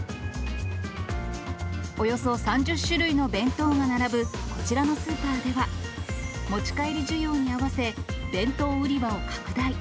およそ３０種類の弁当が並ぶこちらスーパーでは、持ち帰り需要に合わせ、弁当売り場を拡大。